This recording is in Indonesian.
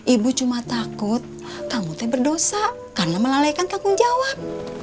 ibu cuma takut kamu tapi berdosa karena melalaikan tanggung jawab